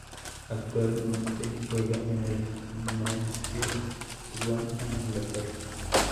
Actualmente, juega en el Mansfield Town en Inglaterra.